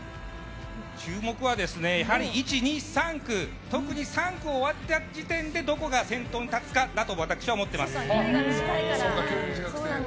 注目はやはり１、２、３区特に３区終わった時点でどこが先頭に立つかだと私は思ってます。